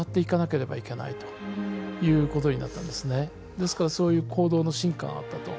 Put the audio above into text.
ですからそういう行動の進化があったと。